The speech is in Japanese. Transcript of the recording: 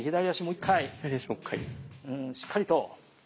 うんしっかりと。